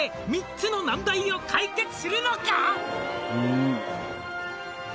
「３つの難題を解決するのか？」